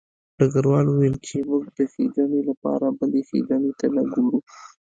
ډګروال وویل چې موږ د ښېګڼې لپاره بلې ښېګڼې ته نه ګورو